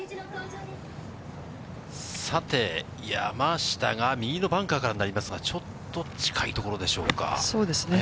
さて、山下が右のバンカーからになりますが、ちょっと近い所でしょうか。